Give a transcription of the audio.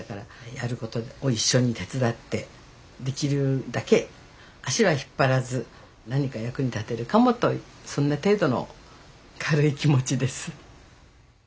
やることを一緒に手伝ってできるだけ足は引っ張らず何か役に立てるかもとそんな程度の軽い気持ちです。